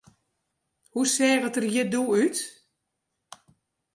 Hoe seach it der hjir doe út?